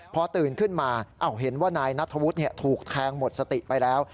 พอตื่นขึ้นมาเห็นว่านายนัทธวุฒิถูกแทงหมดสติไปแล้ว